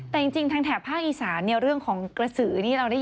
แต่จริงทางแถบภาคอีศาสนิยมเรื่องของกระสือเราได้ยินมานาน